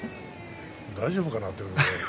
大丈夫かなと。